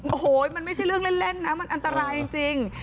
โอ้โหมันไม่ใช่เรื่องเล่นนะมันอันตรายจริง